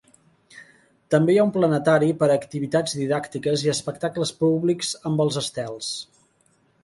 També hi ha un planetari per a activitats didàctiques i espectacles públics amb els estels.